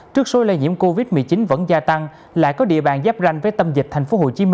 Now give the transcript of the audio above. trước số lây nhiễm covid một mươi chín vẫn gia tăng lại có địa bàn giáp ranh với tâm dịch tp hcm